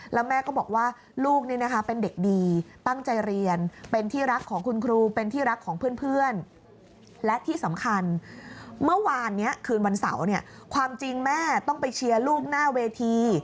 แล้วแม่ก็บอกว่าลูกนี่นะคะเป็นเด็กดีตั้งใจเรียนเป็นที่รักของคุณครูเป็นที่รักของเพื่อนและที่สำคัญเมื่อวานนี้คืนวันเสาร์เนี่ยความจริงแม่ต้องไปเชียร์ลูกหน้าเวที